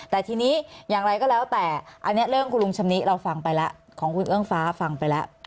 แต่ทีนี้อย่างไรก็แล้วแต่อันนี้เรื่องคุณลุงชำนิเราฟังไปแล้วของคุณเอื้องฟ้าฟังไปแล้ว